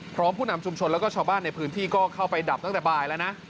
ผู้นำชุมชนแล้วก็ชาวบ้านในพื้นที่ก็เข้าไปดับตั้งแต่บ่ายแล้วนะ